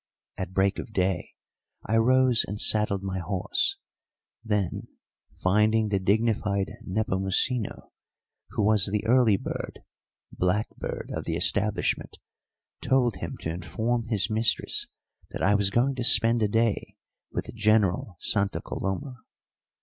At break of day I rose and saddled my horse; then, finding the dignified Nepomucino, who was the early bird (blackbird) of the establishment, told him to inform his mistress that I was going to spend the day with General Santa Coloma.